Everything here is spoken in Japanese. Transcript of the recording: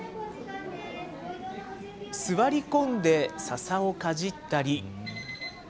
座り込んでささをかじったり。